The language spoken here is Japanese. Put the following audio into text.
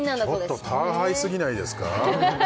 ちょっとターハイすぎないですか？